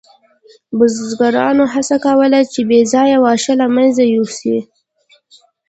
بزګرانو هڅه کوله چې بې ځایه واښه له منځه یوسي.